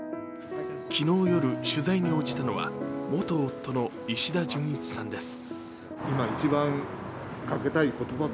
昨日夜、取材に応じたのは元夫の石田純一さんです。